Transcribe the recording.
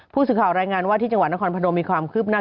ผู้สื่อข่าวรายงานว่าที่จังหวัดนครพนมมีความคืบหน้า